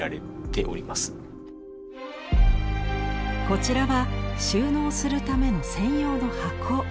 こちらは収納するための専用の箱。